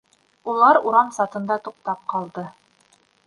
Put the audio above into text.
Улар урам сатында туҡтап ҡалды.